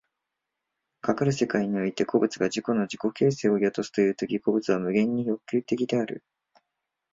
かかる世界において個物が世界の自己形成を宿すという時、個物は無限に欲求的である。